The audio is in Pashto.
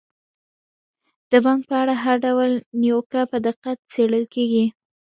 د بانک په اړه هر ډول نیوکه په دقت څیړل کیږي.